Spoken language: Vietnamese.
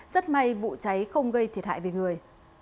rất may vụ cháy không gây thiệt hại về người